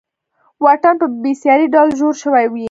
واټن په بېساري ډول ژور شوی و.